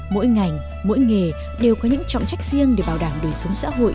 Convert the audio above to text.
mỗi ngành mỗi nghề đều có những trọng trách riêng để bảo đảm đổi xuống xã hội